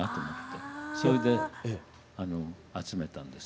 それで集めたんです。